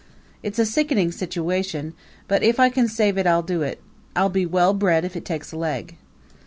It's a sickening situation; but if I can save it I'll do it. I'll be well bred if it takes a leg!"